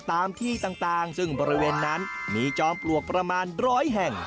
ตามที่ต่างซึ่งบริเวณนั้นมีจอมปลวกประมาณร้อยแห่ง